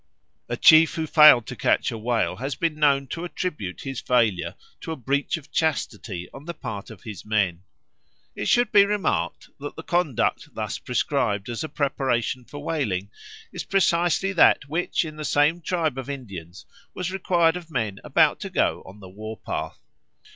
A chief who failed to catch a whale has been known to attribute his failure to a breach of chastity on the part of his men. It should be remarked that the conduct thus prescribed as a preparation for whaling is precisely that which in the same tribe of Indians was required of men about to go on the war path.